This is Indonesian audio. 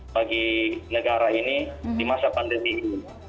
bagi negara ini di masa pandemi ini